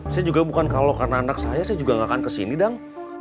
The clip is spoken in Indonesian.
saya juga bukan kalau karena anak saya saya juga gak akan kesini dong